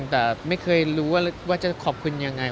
แต่ไม่เคยรู้ว่าจะขอบคุณยังไง